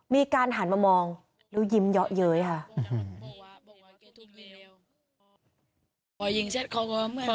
มีการหันมามองแล้วยิ้มเยาะเย้ยค่ะ